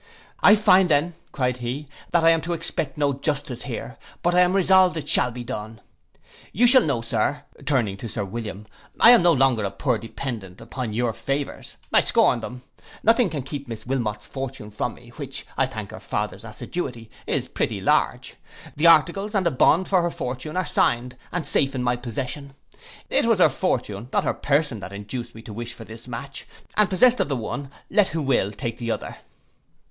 'I find then,' cried he, 'that I am to expect no justice here; but I am resolved it shall be done me. You shall know, Sir,' turning to Sir William, 'I am no longer a poor dependent upon your favours. I scorn them. Nothing can keep Miss Wilmot's fortune from me, which, I thank her father's assiduity, is pretty large. The articles, and a bond for her fortune, are signed, and safe in my possession. It was her fortune, not her person, that induced me to wish for this match, and possessed of the one, let who will take the other.